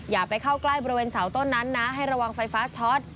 อย่าไปเข้าใกล้บริเวณเสาต้นนั้นนะให้ระวังไฟฟ้าช็อต